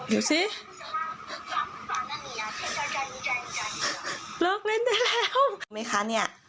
เห็นไหมคะเนี่ย